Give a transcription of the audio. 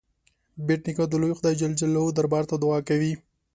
بېټ نیکه د لوی خدای جل جلاله دربار ته دعا کوي.